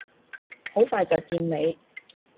好快就見你！